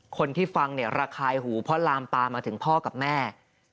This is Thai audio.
คนที่ฟังเนี่ยระคายหูเพราะลามปลามาถึงพ่อกับแม่